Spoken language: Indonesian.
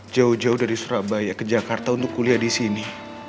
jauh jauh dari surabaya ke jakarta untuk kuliah di sini